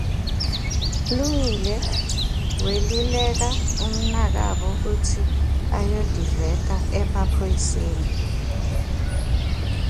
Lungile weluleka umnakabo kutsi ayotiveta emaphoyiseni.